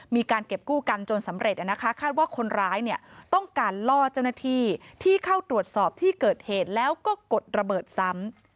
มีการเก็บกู้กันจนสำเร็จนะคะคาดว่าคนร้ายเนี่ยต้องการล่อเจ้าหน้าที่ที่เข้าตรวจสอบที่เกิดเหตุแล้วก็กดระเบิดซ้ำ